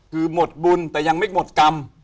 คือหมดบุญแต่ยังไม่หมดกรรม